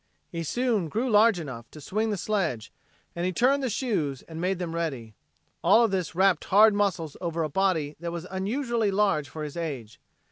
He soon grew large enough to swing the sledge, and he turned the shoes and made them ready. All of this wrapped hard muscles over a body that was unusually large for his age.